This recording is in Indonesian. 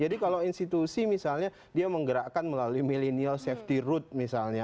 jadi kalau institusi misalnya dia menggerakkan melalui millennial safety route misalnya